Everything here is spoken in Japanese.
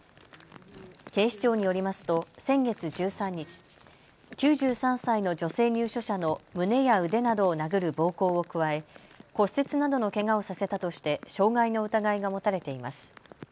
警視庁によりますと先月１３日、９３歳の女性入所者の胸や腕などを殴る暴行を加え、骨折などのけがをさせたとして傷害の疑いが持たれています。